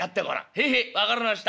「へえへえ分かりました。